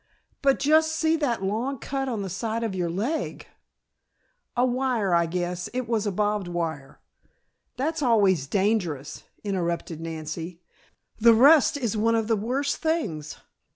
"But just see that long cut on the side of your leg " "A wire, I guess it was a barbed wire " "That's always dangerous," interrupted Nancy. "The rust is one of the worst things.